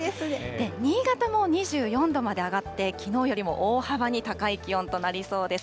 新潟も２４度まで上がって、きのうよりも大幅に高い気温となりそうです。